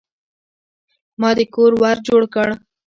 ما د کور ور جوړ کړ.